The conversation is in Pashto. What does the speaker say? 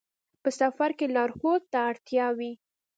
په سفر کې لارښود ته اړتیا وي.